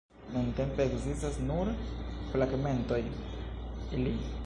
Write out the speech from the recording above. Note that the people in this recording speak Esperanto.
Nuntempe ekzistas nur fragmentoj li.